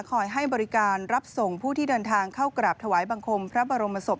ให้บริการรับส่งผู้ที่เดินทางเข้ากราบถวายบังคมพระบรมศพ